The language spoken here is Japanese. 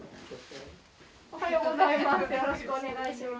おはようございます。